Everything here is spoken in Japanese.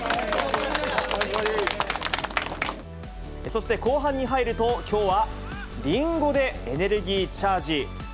そして後半に入ると、きょうはりんごでエネルギーチャージ。